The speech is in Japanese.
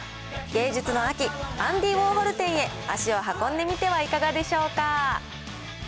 芸術の秋、アンディ・ウォーホル展へ足を運んでみてはいかがでしょうか。